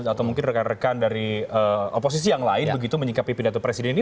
atau mungkin rekan rekan dari oposisi yang lain begitu menyikapi pidato presiden ini